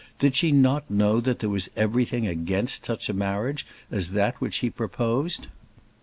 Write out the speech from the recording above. Did she not know that there was everything against such a marriage as that which he proposed?